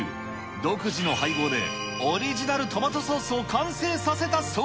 独自の配合で、オリジナルトマトソースを完成させたそう。